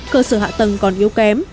cơ sở hạ tầng còn yếu kém